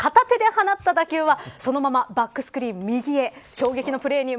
大きく体勢を崩しながら片手で放った打球はそのままバックスクリーン右へ。